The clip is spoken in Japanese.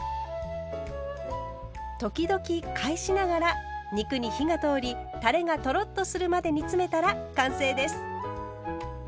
時々返しながら肉に火が通りたれがトロッとするまで煮詰めたら完成です。